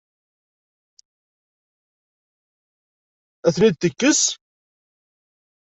Ad ten-id-tekkes?